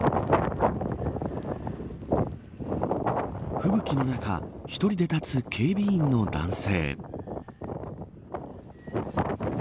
吹雪の中１人で立つ警備員の男性。